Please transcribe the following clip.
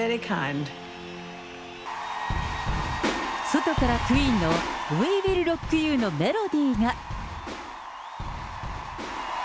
外からクイーンのウィー・ウィル・ロック・ユーのメロディーが。